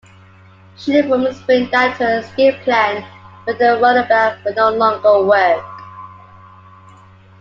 She informs Winn that her escape plan with the Runabout will no longer work.